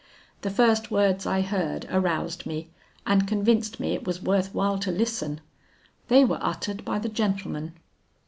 The first words I heard aroused me and convinced me it was worth while to listen. They were uttered by the gentleman.